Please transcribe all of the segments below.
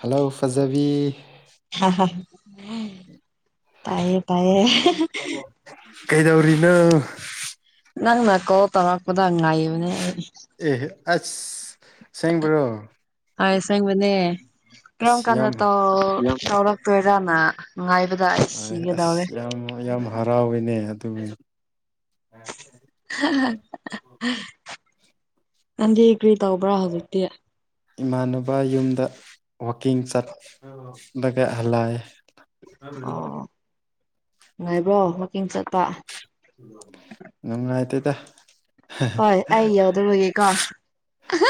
Hello ꯐꯖꯥꯕꯤ ꯄꯌꯦꯌꯦ ꯄꯌꯦꯌꯦ ꯀꯩꯗꯧꯔꯤꯅꯣ ꯅꯪ ꯃ ꯀꯣ ꯇꯔꯄꯗ ꯉꯥꯏꯕꯅꯦ ꯑꯦꯍ ꯑꯁ ꯁꯦꯡꯕ꯭ꯔꯣ ꯑꯩ ꯁꯪꯕꯅꯦ ꯀꯔꯝ ꯑꯁ ꯀꯥꯟꯗ ꯌꯥꯝ ꯇꯧꯔꯛꯇꯣꯏꯔꯅꯥꯏ ꯄꯗꯥ ꯁꯤꯒꯗꯎꯔꯦ ꯑꯁ ꯌꯥꯝ ꯌꯥꯝ ꯍꯔꯥꯎꯋꯤꯅꯦ ꯑꯗꯨꯒꯤ [unintelligible] ꯅꯡꯗꯤ ꯀ꯭ꯔꯤ ꯇꯧꯕ꯭ꯔꯥ ꯍꯧꯖꯤꯛꯇꯤ ꯏꯃꯥꯟꯅꯨꯕ ꯌꯨꯝꯗ ꯋꯥꯛꯀꯤꯡ ꯆꯠꯂꯒ ꯍꯜꯂꯑꯦ ꯑꯣ ꯅꯨꯡꯉꯥꯏꯕ꯭ꯔꯣ ꯋꯥꯀꯤꯡ ꯆꯠꯄ ꯅꯨꯡꯉꯥꯏꯇꯦꯗ ꯍꯣꯏ ꯑꯩ ꯌꯧꯗꯨꯔꯒꯦ ꯀꯣ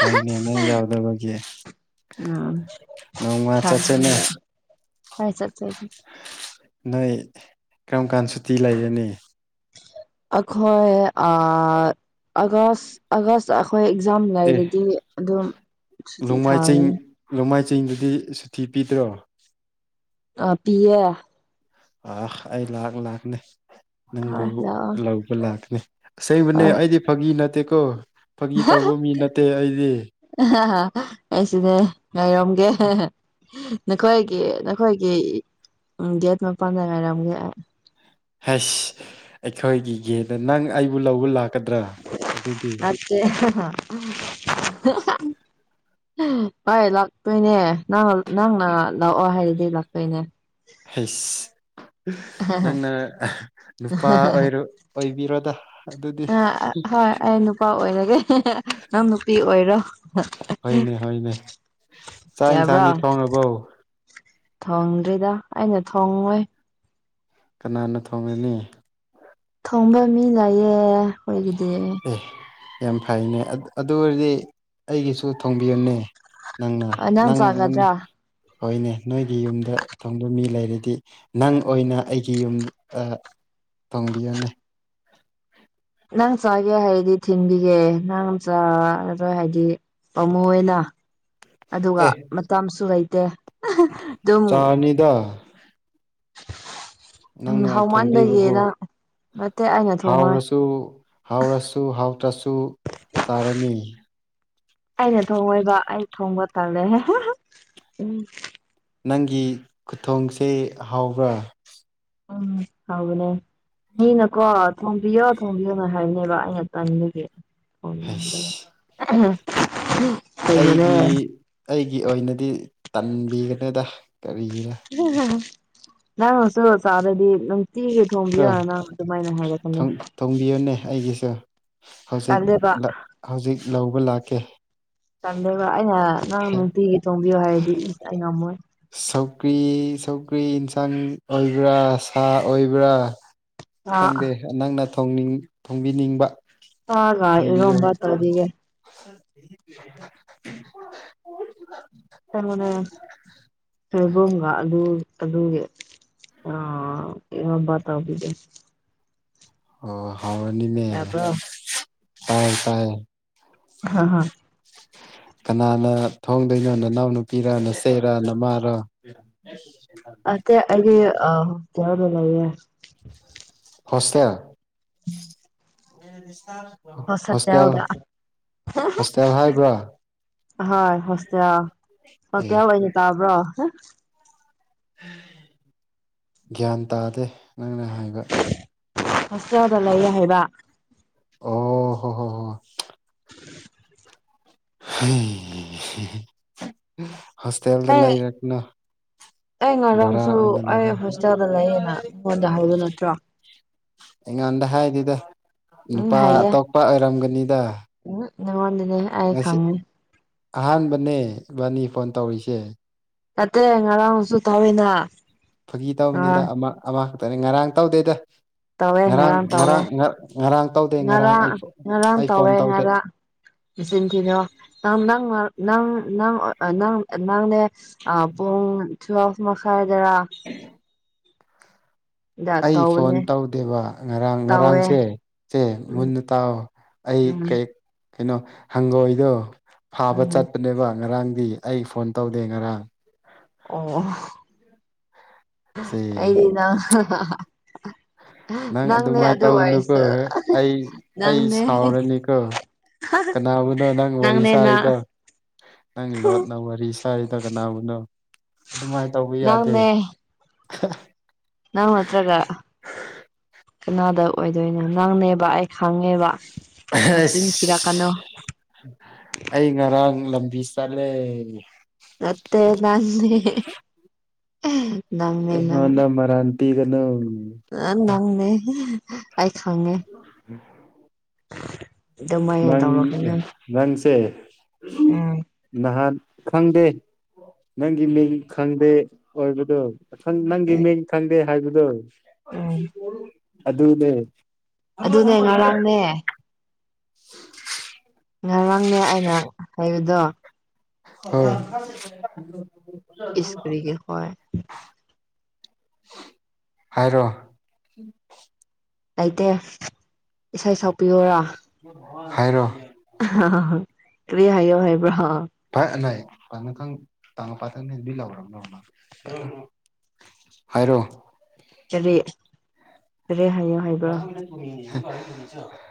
ꯍꯣꯏꯅꯦ ꯅꯪ ꯌꯥꯎꯗꯕꯒꯤ ꯅꯣꯡꯃ ꯆꯠꯁꯦꯅꯦ ꯎꯝ [unintelligible] ꯅꯣꯏ ꯀꯔꯝꯀꯥꯟ ꯁꯨꯇꯤ ꯂꯩꯔꯅꯤ ꯑꯩꯈꯣꯏ ꯑ ꯑꯒꯁ ꯑꯥꯒꯁꯇ ꯑꯩꯈꯣꯏ ꯏꯛꯥꯖꯝ ꯑꯦ ꯂꯩꯔꯗꯤ ꯑꯗꯨꯝ ꯁꯨꯇꯤ ꯊꯥꯒꯅꯤ ꯂꯣꯡꯃꯥꯏ ꯆꯤꯡꯗꯨꯗꯤ ꯁꯨꯇꯤ ꯄꯤꯗ꯭ꯔꯣ ꯑ ꯄꯤꯌꯦ ꯑ ꯑꯩ ꯂꯥꯛ ꯂꯥꯛꯅꯤ ꯅꯪꯕꯨ ꯍꯣꯏ ꯂꯥꯛꯑꯣ ꯂꯧꯕ ꯂꯥꯛꯀꯅꯤ ꯑꯁꯦꯡꯕꯅꯦ ꯍꯣꯏ ꯑꯩꯗꯤ ꯐꯥꯒꯤ ꯅꯠꯇꯦꯀꯣ ꯐꯥꯒꯤ ꯇꯧꯕ ꯃꯤ ꯅꯠꯇꯦ ꯑꯩꯗꯤ ꯑꯩꯁꯤꯅꯦ ꯉꯥꯏꯔꯝꯒꯦ ꯅꯈꯣꯏꯒꯤ ꯅꯈꯣꯏ ꯒꯦꯠ ꯃꯄꯥꯟꯗ ꯂꯩꯔꯝꯒꯦ ꯑꯩ ꯍꯁ ꯑꯩꯈꯣꯏꯒꯤꯒꯅ ꯅꯪ ꯑꯩꯕꯨ ꯂꯧꯕ ꯂꯥꯛꯀꯗ꯭ꯔꯥ ꯑꯗꯨꯗꯤ [unintelligible] ꯍꯣꯏ ꯂꯥꯛꯇꯣꯏꯅꯦ ꯅꯪ ꯅꯪꯅ ꯂꯥꯛꯑꯣ ꯍꯥꯏꯔꯗꯤ ꯂꯥꯛꯇꯣꯏꯅꯦ ꯍꯁ ꯅꯪꯅ ꯅꯨꯄꯥ ꯑꯣꯏꯔ ꯑꯣꯏꯕꯤꯔꯣꯗ ꯑꯗꯨꯗꯤ ꯍ ꯅꯨꯄꯥ ꯑꯣꯏꯔꯒꯦ ꯅꯪ ꯅꯨꯄꯤ ꯑꯣꯏꯔꯣ ꯍꯣꯏꯅꯦ ꯍꯣꯏꯅꯦ ꯆꯥꯛ ꯌꯥꯕ꯭ꯔꯥ ꯌꯦꯟꯁꯥꯡꯅꯤ ꯊꯣꯡꯉꯅꯕꯣ ꯊꯣꯡꯗ꯭ꯔꯤꯗ ꯑꯩꯅ ꯊꯣꯡꯉꯣꯏ ꯀꯅꯥꯅ ꯊꯣꯡꯒꯅꯤ ꯊꯣꯡꯕ ꯃꯤ ꯂꯩꯥꯛꯌꯦꯦ ꯑꯦ ꯌꯥꯝ ꯐꯩꯅꯦ ꯑꯗꯨ ꯑꯣꯏꯔꯗꯤ ꯑꯩꯒꯤꯁꯨ ꯊꯣꯡꯕꯤꯌꯅꯦ ꯅꯪꯅ ꯅꯪ ꯍꯣꯏꯅꯦ ꯅꯣꯏꯒꯤ ꯌꯨꯝꯗ ꯊꯪꯕ ꯃꯤ ꯂꯩꯔꯗꯤ ꯅꯪ ꯑꯣꯏꯅ ꯑꯩꯒꯤ ꯌꯨꯝ ꯐꯣꯡꯕꯤꯌꯅꯦ ꯅꯪ ꯆꯥꯒꯦ ꯍꯥꯏꯗꯤ ꯊꯤꯟꯈꯤꯒꯦ ꯅꯪ ꯆ ꯑꯗ ꯍꯥꯏꯗꯤ ꯄꯥꯃꯨꯡꯅ ꯑꯗꯨꯒ ꯑꯦ ꯃꯇꯝꯁꯨ ꯂꯩꯇꯦ ꯑꯗꯨꯝ ꯆꯥꯅꯤꯗ ꯎꯝ ꯅꯪꯅ ꯊꯣꯡꯝꯕꯤꯕꯕꯨ ꯍꯧꯃꯟꯕꯒꯤꯅ ꯅꯠꯇꯦ ꯑꯩꯅ ꯊꯣꯡꯉꯣꯏ ꯍꯥꯎꯔꯁꯨ ꯇꯨ ꯍꯥꯎꯔꯁꯨ ꯍꯥꯎꯇ꯭ꯔꯁꯨ ꯆꯥꯔꯅꯤ ꯑꯩꯅ ꯊꯣꯡꯉꯣꯏꯕ ꯑꯩ ꯊꯣꯡꯕ ꯇꯜꯂꯦ ꯎꯝ ꯅꯪꯒꯤ ꯈꯨꯊꯣꯡꯁꯦ ꯍꯥꯎꯕ꯭ꯔꯥ ꯎꯝ ꯍꯅꯦ ꯃꯤ ꯅ ꯀꯣꯋꯥ ꯊꯣꯡꯝꯕꯤꯌꯣ ꯊꯣꯡꯕꯤꯌꯣꯅ ꯍꯥꯏꯕꯅꯦꯕ ꯑꯩꯅ ꯇꯅꯤꯡꯒꯤ ꯍꯩꯁ ꯍ ꯑꯩꯒꯤ ꯑꯩꯒꯤ ꯑꯣꯏꯅꯗꯤ ꯇꯟꯕꯤꯒꯅꯤꯗ ꯀꯔꯤꯒꯤꯅ ꯎ ꯅꯁꯨ ꯁꯔꯗꯤ ꯆꯤꯒ ꯊꯣꯡꯕ ꯀꯣ ꯌꯥ ꯅꯪ ꯑꯗꯨꯃꯥꯏꯅ ꯍꯥꯏꯔꯛꯀꯅꯤ ꯊꯣꯡ ꯊꯣꯡꯕꯤꯌꯨꯅꯦ ꯑꯩꯒꯤꯁꯨ ꯍꯧꯖꯤꯛ ꯇꯜꯂꯦꯕ ꯍꯧꯖꯤꯛ ꯂꯧꯕ ꯂꯥꯛꯀꯦ ꯇꯝꯖꯕ ꯑꯩꯅ ꯅꯪ ꯅꯨꯡꯇꯤꯒꯤ ꯊꯣꯡꯕꯤꯌꯨ ꯍꯥꯏꯔꯗꯤ ꯑꯩ ꯉꯝꯃꯣꯏ ꯁꯧꯀ꯭ꯔꯤ ꯁꯧꯀ꯭ꯔꯤ ꯏꯟꯁꯥꯡ ꯑꯣꯏꯕ꯭ꯔꯥ ꯁꯥ ꯑꯣꯏꯕ꯭ꯔꯥ ꯁꯥ ꯈꯪꯗꯦ ꯅꯪꯅꯅꯤꯡ ꯊꯣꯡꯕꯤꯅꯤꯡꯕ ꯍ ꯊꯣꯡꯕꯤꯌꯨ ꯏꯝꯕ ꯇꯧꯔꯤꯦ [inaudible] ꯁ ꯃꯅ ꯁꯕꯒ ꯑꯗꯨ ꯑꯗꯨ ꯑꯕ ꯇꯥꯎꯕꯤꯗꯦ ꯑꯣ ꯍꯥꯎꯅꯤꯅꯦ ꯌꯥꯕ꯭ꯔꯣ ꯇꯥꯏ ꯇꯥꯏ ꯍꯥ ꯍ ꯀꯅꯥꯅ ꯊꯣꯡꯗꯣꯏꯅꯣ ꯅꯅꯥꯎꯅ ꯅꯨꯄꯤꯔ ꯅ ꯆꯩ ꯆꯩꯔ ꯅ ꯃꯥꯔꯣ ꯑꯠꯇ ꯑꯩꯗꯤ ꯑ ꯀ ꯂꯦ ꯍꯣꯁꯇꯦꯜ ꯍ ꯁꯇ ꯍꯣꯁꯇꯦꯜ ꯑꯣꯏꯒ ꯍꯣꯁꯇꯦꯜ ꯍꯥꯏꯕ꯭ꯔꯥ ꯍꯣꯏ ꯍꯣꯁꯇꯦꯜ ꯑꯦ ꯍꯣꯁꯇꯦꯜ ꯑꯩꯅ ꯇꯥꯕ꯭ꯔꯣ ꯒ꯭ꯌꯥꯟ ꯇꯥꯗꯦ ꯅꯪꯅ ꯍꯥꯏꯕ ꯍꯣꯁꯇꯦꯜꯗ ꯂꯩꯔꯦ ꯍꯥꯏꯕ ꯑꯣ ꯍꯣ ꯍꯣ ꯍ [unintelligible] ꯍꯁꯇꯦꯜꯗ ꯑꯩ ꯂꯩ ꯔꯛꯅ ꯑꯩ ꯚꯔꯥ ꯉꯔꯥꯡꯁꯨ ꯑꯣꯏꯅ ꯑꯣꯏꯅ ꯑꯩ ꯂꯩꯔ ꯍꯣꯁꯇꯦꯜꯗ ꯂꯩꯌꯦꯅ ꯅꯉꯣꯟꯗ ꯍꯥꯏꯕ ꯅꯠꯇ꯭ꯔꯣ ꯑꯩꯉꯣꯟꯗ ꯍꯥꯏꯗꯨꯗ ꯅꯨꯄꯥ ꯑꯇꯣꯞꯄ ꯑꯣꯏꯔꯝꯒꯅꯤꯗ ꯎ ꯅꯉ ꯋꯥꯟꯅꯦ ꯉꯁꯤ ꯑꯍꯥꯟꯕꯅꯦ ꯏꯕꯥꯅꯤ ꯐꯣꯟ ꯇꯧꯔꯤꯁꯦ ꯅꯠꯇꯦ ꯉꯔꯥꯡꯁꯨ ꯊꯥꯋꯅ ꯐꯥꯒꯤ ꯇꯧꯕꯅꯤꯅ ꯑꯃ ꯑꯃꯈꯛꯇꯅꯤ ꯉꯔꯥꯡ ꯇꯧꯗꯣꯏꯗ ꯇꯧꯋꯦ ꯉꯔꯥꯡ ꯇꯧꯋꯦ ꯉꯔꯥꯡ ꯉꯥꯡ ꯉꯥꯛ ꯉꯔꯥꯡ ꯉꯔꯥꯡ ꯇꯧꯋꯦ ꯉꯔꯥꯡ ꯃꯆꯤꯟꯊꯤꯗꯣ ꯅꯪ ꯅ ꯅꯪ ꯅꯪ ꯅꯪ ꯅꯪꯅꯦ ꯑ ꯄꯨꯡ ꯊꯨꯐ ꯃꯈꯁꯥꯏꯗꯔꯥ ꯑꯩ ꯐꯣꯟ ꯇꯧꯗꯦꯕ ꯉꯔꯥꯡ ꯇꯧꯋꯦ ꯉꯔꯥꯡꯁꯦ ꯁꯦ ꯎꯝ ꯃꯨꯟꯅ ꯇꯥꯛꯑꯣ ꯑꯩ ꯎꯝ ꯀ ꯀꯩꯅꯣ ꯍꯪꯒꯣꯏꯗꯣ ꯐꯥꯕ ꯎꯝ ꯆꯠꯄ ꯅꯦꯕ ꯉꯔꯥꯡꯗꯤ ꯑꯩ ꯐꯣꯟ ꯇꯧꯗꯦ ꯉꯔꯥꯡ ꯑꯣ ꯁꯦ ꯑꯩꯗꯤ ꯅꯡ ꯅꯪ ꯑꯗꯨꯃꯥꯏꯅ ꯇꯧꯒꯅꯨꯀꯣ ꯑꯩ ꯑꯩ ꯅꯪꯅꯦ ꯁꯥꯎꯔꯅꯤꯀꯣ ꯀꯅꯥꯕꯨꯅꯣ ꯅꯪ ꯋꯥꯔꯤ ꯅꯪꯅꯦ ꯅꯪ ꯁꯔꯤꯗꯣ ꯅꯪ ꯂꯣꯠꯅ ꯋꯥꯔꯤ ꯁꯥ ꯁꯥꯔꯤꯗ ꯀꯅꯥꯕꯨꯅꯣ ꯑꯗꯨꯃꯥꯏꯅ ꯇꯧꯕ ꯌꯥꯗꯦ ꯅꯪꯅꯦ [unintelligible] ꯀꯅꯥꯗ ꯑꯣꯏꯗꯣꯏꯅꯣ ꯅꯪꯅꯦꯕ ꯑꯩ ꯈꯪꯉꯦꯕ ꯃꯆꯤꯟ ꯊꯤꯔꯛꯀꯅꯣ ꯑꯁ ꯑꯩ ꯉꯔꯥꯡ ꯂꯝꯕꯤ ꯆꯠꯂꯦ ꯅꯠꯇꯦ ꯅꯡꯅꯦ ꯑꯩꯉꯣꯟꯗꯥ ꯃꯔꯥꯜ ꯄꯤꯒꯅꯣ ꯑ ꯅꯪꯅꯦ ꯑꯩ ꯈꯡꯉꯦ ꯅꯪ ꯅꯪꯁꯦ ꯎꯝ ꯅꯍꯥꯟ ꯈꯪꯗꯦ ꯅꯪꯒꯤ ꯃꯤꯡ ꯈꯪꯗꯦ ꯑꯣꯏꯕꯗꯣ ꯅꯪꯒꯤ ꯎꯝ ꯃꯤꯡ ꯈꯪꯗꯦ ꯍꯥꯏꯕꯗꯣ ꯎꯝ ꯑꯗꯨꯅꯦ ꯑꯗꯨꯅꯦ ꯉꯔꯥꯡꯅꯦ [inaudible] ꯉꯔꯥꯡꯅꯦ ꯑꯩꯅ ꯍꯥꯏꯕꯗꯣ ꯏꯁ ꯀꯔꯤꯒꯤ ꯍꯣꯏ [unintelligible] ꯍꯥꯏꯔꯣ [inaudible] ꯂꯩꯇꯦ ꯏꯁꯩ ꯁꯛꯄꯤꯌꯣꯔꯥ ꯍꯥꯏꯔꯣ ꯀꯔꯤ ꯍꯥꯏꯎ ꯍꯥꯏꯕ꯭ꯔꯥ [unintelligible] ꯍꯥꯏꯔꯣ ꯀꯔꯤ ꯀꯔꯤ ꯍꯥꯏꯌꯨ [unintelligible]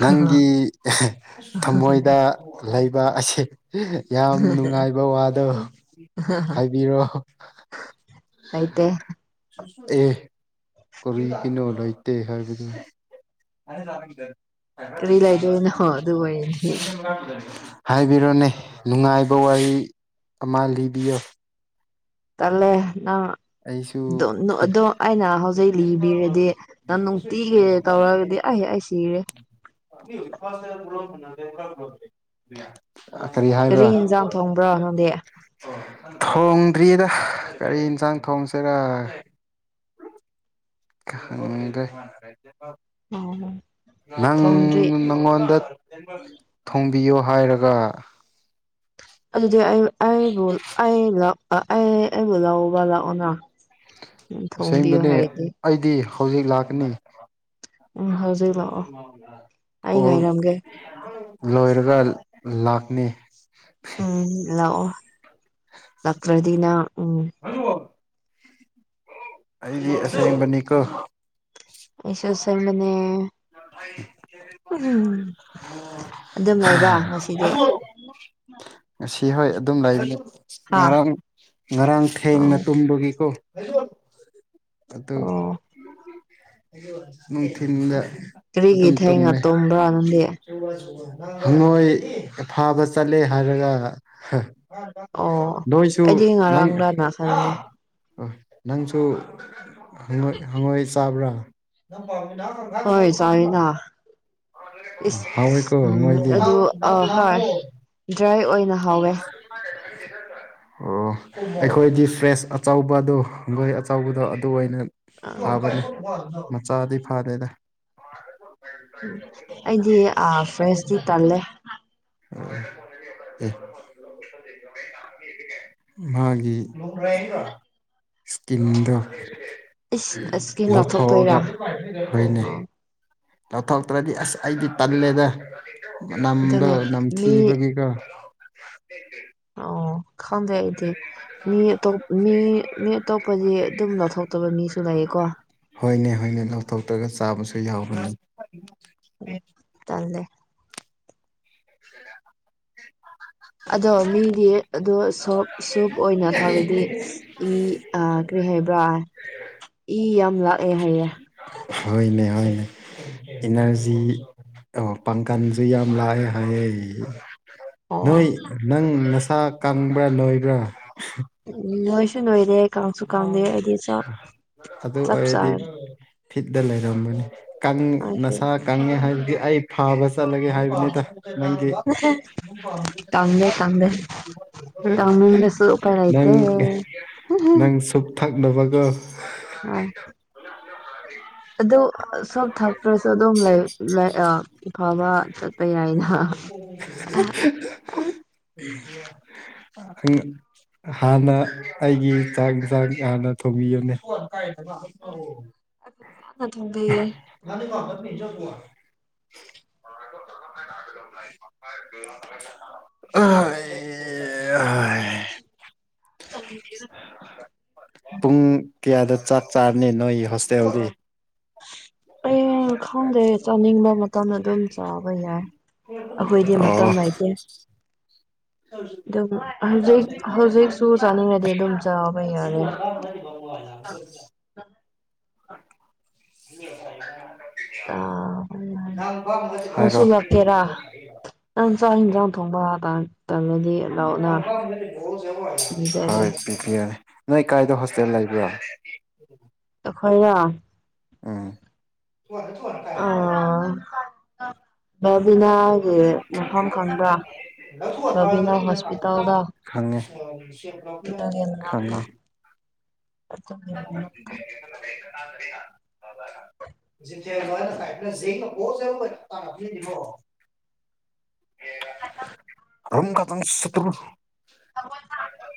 ꯅꯪꯒꯤ ꯊꯃꯣꯏꯗ ꯂꯩꯕ ꯑꯁꯤ ꯌꯥꯝ ꯅꯨꯡꯉꯥꯏꯕ ꯋꯥꯗꯣ ꯍꯥꯏꯕꯤꯔꯣ ꯂꯩꯇꯦ ꯑꯦ ꯀꯔꯤꯒꯤꯅꯣ ꯂꯩꯇꯦ ꯍꯥꯏꯕꯗꯨ ꯀꯔꯤ ꯂꯩꯗꯣꯏꯅꯣ ꯑꯗꯨ ꯑꯣꯏꯔꯗꯤ [unintelligible] ꯍꯥꯏꯕꯤꯔꯣꯅꯦ ꯅꯨꯡꯉꯥꯏꯕ ꯋꯥꯔꯤ ꯑꯃ ꯂꯤꯕꯤꯌꯣ ꯇꯜꯂꯦ ꯑꯩꯁꯨ ꯅꯡ ꯑꯗꯣ ꯑꯩꯅ ꯍꯧꯖꯤꯛ ꯂꯤꯕꯤꯔꯗꯤ ꯅꯪ ꯅꯨꯡꯇꯤꯒꯤ ꯇꯧꯔꯛꯑꯗꯤ ꯑꯩ ꯑꯩꯁ [unintelligible] [unintelligible] ꯀꯔꯤ ꯍꯥꯏꯕ꯭ꯔꯥ ꯌꯦꯟꯖꯥꯡ ꯊꯣꯡꯕ꯭ꯔꯣ ꯅꯪꯗꯤ ꯊꯣꯡꯗ꯭ꯔꯤꯗ ꯀꯔꯤ ꯌꯦꯟꯁꯥꯡ ꯊꯣꯡꯁꯤꯔ ꯈꯪꯗ꯭ꯔꯦ ꯅꯪ ꯊꯣꯡꯗ꯭ꯔꯤ ꯅꯪꯉꯣꯟꯗ ꯊꯣꯡꯕꯤꯌꯣ ꯍꯥꯏꯔꯒ ꯑꯗꯨꯗꯤ ꯑꯩꯕꯨ ꯂꯧꯕꯥ ꯂꯥꯛꯑꯣꯅ ꯊꯣꯡꯕꯤꯌꯨ ꯑꯁꯦꯡꯕꯅꯦ ꯍꯥꯏꯔꯗꯤ ꯑꯩꯗꯤ ꯍꯧꯖꯤꯛ ꯂꯥꯛꯀꯅꯤ ꯎꯝ ꯍꯧꯖꯤꯛ ꯂꯥꯛꯑꯣ ꯑꯩ ꯀꯣꯜ ꯉꯥꯏꯔꯝꯒꯦ ꯂꯣꯏꯔꯒ ꯂꯥꯛꯅꯤ ꯎꯝ ꯂꯥꯛꯑꯣ ꯂꯇ꯭ꯔꯗꯤꯅ ꯎꯝ [unintelligible] ꯑꯩꯗꯤ ꯑꯁꯦꯡꯕ ꯅꯤꯀꯣ ꯑꯩꯁꯨ ꯑꯁꯦꯡꯕꯅꯦ ꯎ ꯑꯗꯨꯝ ꯂꯩꯕ꯭ꯔꯥ ꯉꯁꯤꯗꯤ ꯉꯁꯤ ꯍꯣꯏ ꯑꯗꯨꯝ ꯂꯩꯔꯤꯅꯤ ꯍꯥ ꯉꯔꯥꯡ ꯉꯔꯥꯡ ꯊꯦꯡꯅ ꯑꯣ ꯇꯨꯝꯕꯒꯤꯀꯣ꯫ ꯑꯗꯨ ꯑꯣ ꯅꯨꯡꯊꯤꯟꯗ꯫ ꯀꯔꯤꯒꯤ ꯊꯦꯡꯅ ꯇꯨꯝꯕ꯭ꯔꯥ ꯅꯪꯗꯤ꯫ ꯍꯪꯉꯣꯏ ꯐꯥꯕ ꯆꯠꯂꯦ ꯍꯥꯏꯔꯒ ꯑꯣ ꯅꯣꯏꯁꯨ ꯑꯩꯗꯤ ꯅꯪ ꯉꯔꯥꯡꯂꯅ ꯈꯟꯕꯅꯦ ꯑꯣ ꯅꯪꯁꯨ ꯍꯪꯉꯣꯏ ꯍꯪꯉꯣꯏ ꯆꯥꯕ꯭ꯔꯥ꯫ ꯍꯣꯏ ꯆꯥꯌꯦꯅ꯫ ꯏꯁ ꯍꯥꯎꯋꯤꯀꯣ ꯎꯝ ꯍꯪꯉꯣꯏꯗꯤ ꯑꯗꯨ ꯑꯣ ꯑꯥ ꯍꯣꯏ ꯗ꯭ꯔꯥꯏ ꯑꯣꯏꯅ ꯍꯥꯎꯋꯦ꯫ [inaudible] ꯑꯣ ꯑꯩꯈꯣꯏꯗꯤ ꯐ꯭ꯔꯦꯁ ꯑꯆꯧꯕꯗꯨ ꯍꯪꯉꯣꯏ ꯑꯆꯧꯕꯗꯨ ꯑꯗꯨ ꯑꯣꯏꯅ ꯑꯥ ꯐꯥꯕꯅꯦ ꯃꯆꯥꯗꯤ ꯐꯥꯗꯦꯗ꯫ ꯎꯝ ꯑꯩꯗꯤꯑꯥ ꯐ꯭ꯔꯦꯁꯇꯤ ꯇꯜꯂꯦ꯫ [inaudible] ꯃꯥꯒꯤ ꯏꯁꯀꯤꯟꯗꯣ꯫ ꯏꯁ ꯏꯁꯀꯤꯟ ꯂꯧꯊꯣꯛꯑꯒ ꯂꯧꯊꯣꯛꯇꯣꯏꯔꯥ ꯍꯥꯏꯅꯩ꯫ ꯑꯣ ꯂꯧꯊꯣꯛꯇ꯭ꯔꯗꯤ ꯑꯁ ꯑꯩꯗꯤ ꯇꯜꯂꯦꯗ ꯅꯝꯗꯣ ꯑꯗꯨꯅꯦ ꯃꯤ ꯅꯝꯊꯤꯕꯒꯤꯀꯣ꯫ ꯑꯣ ꯈꯪꯗꯦ ꯑꯩꯗꯤ꯫ ꯃꯤꯑꯥꯇꯣꯞ ꯃꯤ ꯃꯤ ꯑꯇꯣꯞꯄꯗꯤ ꯑꯗꯨꯝ ꯂꯧꯊꯣꯛꯇꯕ ꯃꯤꯁꯨ ꯂꯩꯌꯦꯀꯣ꯫ ꯍꯣꯏꯅꯦ ꯍꯣꯏꯅꯦ ꯂꯧꯊꯣꯛꯇ꯭ꯔꯒ ꯆꯥꯕꯁꯨ ꯌꯥꯎꯔꯅꯤ꯫ ꯎꯝ ꯇꯥꯜꯂꯦ꯫ [inaudible] ꯑꯗꯣ ꯃꯤꯗꯤ ꯑꯗꯣ ꯁꯣꯞ ꯁꯣꯞ ꯑꯣꯏꯅ ꯊꯛꯂꯤꯗꯤ꯫ ꯏ ꯑ ꯀꯔꯤ ꯍꯥꯏꯕ꯭ꯔꯥ ꯏ ꯌꯥꯝ ꯂꯥꯛꯑꯦ ꯍꯥꯏꯌꯦ꯫ ꯍꯣꯏꯅꯦ ꯍꯣꯏꯅꯦ꯫ ꯏꯅꯔꯖꯤ ꯑꯣ ꯄꯪꯊꯍꯟꯕꯁꯨ ꯌꯥꯝ ꯂꯥꯛꯑꯦ ꯍꯥꯏꯑꯦ꯫ ꯅꯣꯏ ꯑꯣ ꯅꯪ ꯅꯁꯥ ꯀꯪꯕ꯭ꯔꯥ ꯅꯣꯏꯕ꯭ꯔꯥ꯫ ꯎ ꯃꯣꯏꯁꯨ ꯅꯣꯏꯔꯦ ꯀꯥꯡꯁꯨ ꯀꯥꯡꯗꯦ ꯑꯩꯗꯤ ꯆꯞ ꯑꯗꯨ ꯆꯞ ꯑꯣꯏꯔꯗꯤ ꯆꯥꯔꯦ ꯐꯤꯠꯇ ꯂꯩꯔꯝꯝꯕꯅꯦ꯫ ꯀꯪ ꯅꯣꯏꯁꯦ ꯅꯁꯥ ꯀꯪꯉꯦ ꯍꯥꯏꯕꯗꯤ ꯑꯩ ꯐꯥꯕ ꯆꯠꯂꯒꯦ ꯍꯥꯏꯕꯅꯤꯗ ꯅꯪꯒꯤ꯫ ꯀꯪꯗꯦ ꯀꯪꯗꯦ ꯀꯪꯅꯤꯡꯉꯁꯨ ꯎꯄꯥꯏ ꯂꯩꯇꯦ꯫ ꯅꯪ ꯅꯪ ꯁꯨꯞ ꯊꯛꯅꯕꯒ꯫ ꯍ꯫ ꯑꯗꯨ ꯁꯨꯞ ꯊꯛꯇꯔꯁꯨ ꯑꯗꯨꯝ ꯂꯩ ꯂꯩ ꯑꯥ ꯐꯕ꯫ [unintelligible] ꯍꯥꯟꯅ ꯑꯩꯒꯤ ꯆꯥꯛ ꯌꯦꯟꯁꯥꯡ ꯍꯥꯟꯅ ꯊꯣꯡꯕꯤꯌꯨꯅꯦ꯫ ꯍꯥꯟꯅ ꯊꯣꯡꯕꯤꯌꯦ [unintelligible] [unintelligible] [inaudible] ꯄꯨꯡ ꯀꯌꯥꯗ ꯆꯥꯛ ꯆꯥꯔꯅꯤ ꯅꯣꯏꯒꯤ ꯍꯣꯁꯇꯦꯜꯗꯤ꯫ ꯑꯩ ꯈꯪꯗꯦ ꯆꯥꯅꯤꯡꯕ ꯃꯇꯝꯗ ꯑꯗꯨꯝ ꯆꯥꯕ ꯌꯥꯏ꯫ ꯑꯩꯈꯣꯏꯗꯤ ꯃꯇꯝ ꯑꯣ ꯂꯩꯇꯦ꯫ ꯑꯗꯨꯝ ꯍꯧꯖꯤꯛ ꯍꯧꯖꯤꯛꯁꯨ ꯆꯥꯅꯤꯡꯉꯗꯤ ꯑꯗꯨꯝ ꯆꯥꯕ ꯌꯥꯔꯦ꯫ [unintelligible] ꯍꯥꯏꯔꯣ꯫ ꯅꯪꯁꯨ ꯂꯥꯛꯀꯦꯔꯥ ꯅꯪ ꯏꯟꯖꯥꯡ ꯊꯣꯡꯝꯕ [unintelligible] ꯇꯥꯜꯂꯗꯤ ꯂꯥꯎ ꯍꯣꯏ ꯄꯤꯕꯤꯌꯥꯅꯤ ꯅꯣꯏ ꯀꯥꯏꯗ ꯍꯣꯁꯇꯦꯜ ꯂꯩꯕ꯭ꯔꯣ꯫ ꯑꯩꯈꯣꯏꯔꯣ꯫ ꯎꯝ [unintelligible] ꫰꫰ ꯕꯕꯤꯅꯒꯤ ꯃꯐꯝ ꯈꯪꯕ꯭ꯔꯥ꯫ ꯕꯥꯕꯤꯅꯥ ꯍꯣꯁꯄꯤꯇꯥꯜꯗ ꯈꯪꯉꯦ ꯑꯗꯨꯒꯤ ꯃꯅꯥꯛꯇ ꯈꯪꯉꯦ [unintelligible] [unintelligible] [unintelligible] [unintelligible] [unintelligible]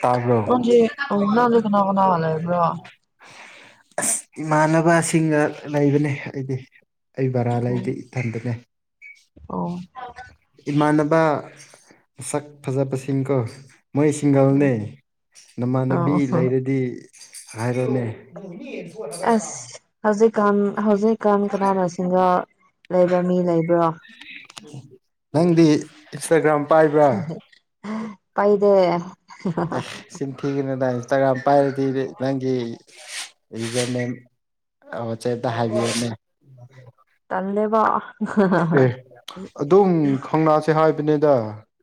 ꯇꯥꯕꯔ‌ꯣ ꯅꯪꯗꯤ ꯑꯣ ꯅꯪꯗꯤ ꯀꯅꯥ ꯀꯅꯥ ꯂꯩꯕ꯭ꯔꯣ ꯑꯁ ꯏꯃꯥꯟꯅꯕꯁꯤꯡꯒ ꯂꯩꯕꯅꯦ ꯑꯩꯗꯤ ꯑꯩ ꯕꯔꯥꯗ ꯑꯩꯗꯤ ꯏꯊꯟꯗ ꯂꯩ ꯑꯣ ꯏꯃꯥꯟꯅꯕ ꯃꯁꯛ ꯐꯖꯕꯁꯤꯡꯀꯣ ꯃꯣꯏ ꯁꯤꯡꯒꯜꯅꯦ ꯅꯃꯥꯟꯅꯕꯤ ꯑꯣ ꯑꯁ ꯂꯩꯔꯗꯤ ꯍꯥꯏꯔꯣꯅꯦ [unintelligible] ꯑꯁ ꯍꯧꯖꯤꯛꯀꯥꯟ ꯍꯧꯖꯤꯛꯀꯥꯟ ꯀꯅꯥꯅ ꯁꯤꯡꯒꯜ ꯂꯩꯕ ꯃꯤ ꯂꯩꯕ꯭ꯔꯣ ꯅꯪꯗꯤ ꯏꯟꯁꯇꯥꯒ꯭ꯔꯥꯝ ꯄꯥꯏꯕ꯭ꯔꯥ ꯎꯝ ꯄꯥꯏꯗ‌ꯦ ꯑꯦ ꯅꯆꯤꯟ ꯊꯤꯒꯅꯨꯗ ꯏꯟꯁꯇꯥꯒ꯭ꯔꯥꯝ ꯄꯥꯏꯔꯗꯤ ꯅꯪꯒꯤ ꯌꯨꯖꯔꯅ‌ꯦꯝ ꯑꯣ ꯋꯥꯠꯆꯞꯇ ꯍꯥꯏꯕꯤꯌ‌ꯣꯅꯦ ꯇꯜꯂ‌ꯦꯕ ꯑꯦ ꯑꯗꯨꯝ ꯈꯪꯅꯥꯁꯦ ꯍꯥꯏꯕꯅꯤꯗ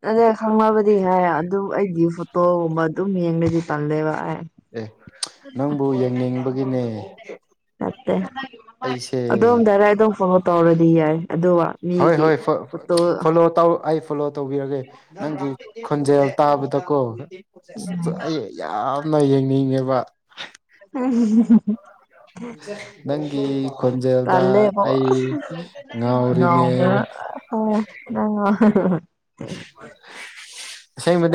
ꯇꯜꯂ‌ꯦ ꯈꯪꯅꯕꯗꯤ ꯍꯥꯏꯌ‌ꯦ ꯑꯗꯨꯝ ꯑꯩꯒꯤ ꯐꯣꯇꯣꯒꯨꯝꯕ ꯑꯗꯨꯝ ꯌꯦꯡꯂꯗꯤ ꯇꯜꯂ‌ꯦꯕ ꯍꯥꯏ ꯑꯦ ꯅꯪꯕꯨ ꯌꯦꯡꯅꯤꯡꯕꯒꯤꯅꯦ ꯅꯠꯇꯦ ꯑꯩꯁꯦ ꯑꯗꯨꯝ ꯗꯥꯏꯔ‌ꯦꯛ ꯑꯗꯨꯝ ꯐꯣꯂ‌ꯣ ꯇꯧꯔꯗꯤ ꯌꯥꯏ ꯑꯗ‌ꯣ ꯍꯣꯏ ꯍꯣꯏ ꯐꯣ ꯐꯣꯂꯣ ꯇꯧ ꯐꯣꯂꯣ ꯇꯧꯕꯤꯔꯒꯦ ꯅꯪꯒꯤ ꯈꯣꯟꯖꯦꯜ ꯇꯥꯕꯗꯀꯣ ꯑꯁ ꯑꯩ ꯌꯥꯝꯅ ꯌꯦꯡꯅꯤꯡꯉꯦꯕ [unintelligible] ꯅꯪꯒꯤ ꯇꯜꯂ‌ꯦꯕꯨ ꯈꯣꯟꯖꯦꯜꯗ ꯑꯩ ꯉꯝꯃꯔ‌ꯣꯏ ꯉꯥꯎꯔꯤꯅꯦ ꯑꯣ ꯅꯪꯔ‌ꯣ ꯑꯁ‌ꯦꯡꯕꯅ‌ꯦ